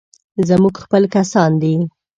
زموږ خپل کسان دي.